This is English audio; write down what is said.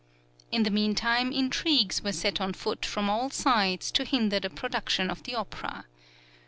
In the meantime intrigues were set on foot from all sides to hinder the production of the opera.